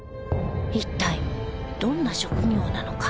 一体どんな職業なのか